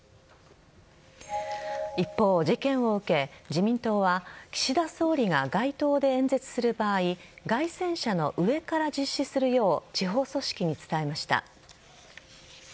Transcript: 一方、事件を受け自民党は岸田総理が街頭で演説する場合街宣車の上から実施するよう地方組織に伝えました。